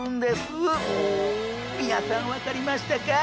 皆さん分かりましたか？